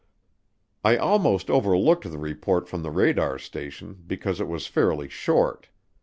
I almost overlooked the report from the radar station because it was fairly short.